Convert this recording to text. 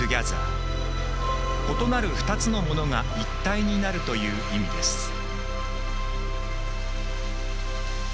異なる２つのものが一体になるという意味です。